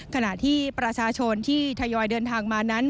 ขณะที่ประชาชนที่ทยอยเดินทางมานั้น